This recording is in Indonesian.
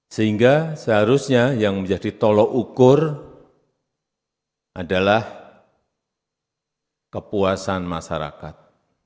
sehingga seharusnya yang menjadi tolok ukur adalah kepuasan masyarakat